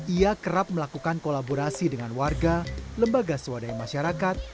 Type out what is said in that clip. ia kerap melakukan kolaborasi dengan warga lembaga swadaya masyarakat